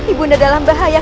ibu neda dalam bahaya